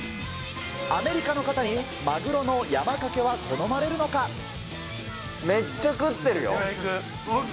アメリカの方にマグロの山かけはめっちゃ食ってるよ。